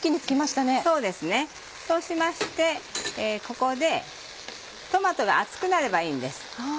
そうしましてここでトマトが熱くなればいいんです。